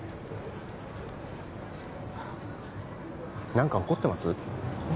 何か怒ってます？